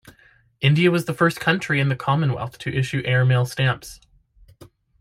India was the first country in the Commonwealth to issue airmail stamps.